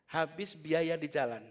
habis biaya di jalan